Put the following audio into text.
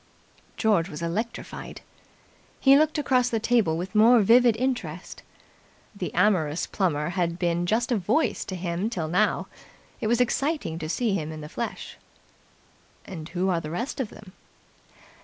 George was electrified. He looked across the table with more vivid interest. The amorous Plummer had been just a Voice to him till now. It was exciting to see him in the flesh. "And who are the rest of them?"